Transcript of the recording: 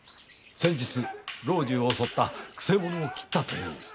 先日老中を襲った曲者を斬ったという。